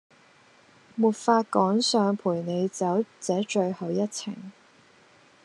沒法趕上陪你走這最後一程